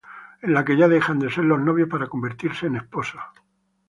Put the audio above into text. En la que ya dejan de ser los novios para convertirse en esposos.